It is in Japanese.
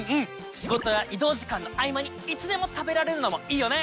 仕事や移動時間の合間にいつでも食べられるのもいいよね！